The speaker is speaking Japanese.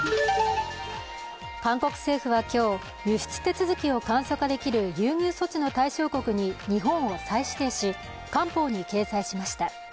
韓国政府は今日、輸出手続きを簡素化できる優遇措置の対象国に日本を再指定し、官報に掲載しました。